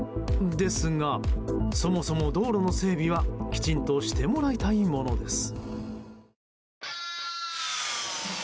ですが、そもそも道路の整備はきちんとしてもらいたいものです。